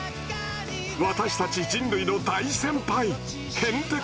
私たち人類の大先輩へんてこ